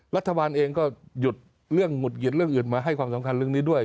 รัฐบาลเองก็หยุดเรื่องหงุดหงิดเรื่องอื่นมาให้ความสำคัญเรื่องนี้ด้วย